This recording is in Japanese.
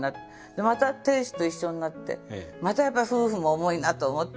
でまた亭主と一緒になってまたやっぱ夫婦も重いなと思って。